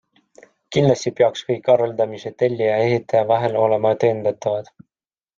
Kindlasti peaks kõik arveldamised tellija ja ehitaja vahel olema tõendatavad.